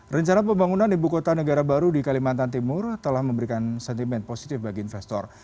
rencana pembangunan ibu kota negara baru di kalimantan timur telah memberikan sentimen positif bagi investor